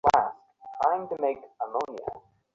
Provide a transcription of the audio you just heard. তুমি প্রমাণ করেছো তুমি সবার চাইতে বুদ্ধিমান।